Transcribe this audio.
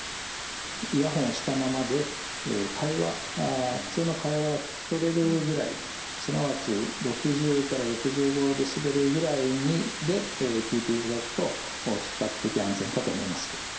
イヤホンをしたままで普通の会話が聞き取れるぐらいすなわち６０から６５デシベルぐらいで聴いていただくと比較的安全かと思います。